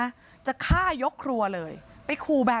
พี่น้องของผู้เสียหายแล้วเสร็จแล้วมีการของผู้เสียหาย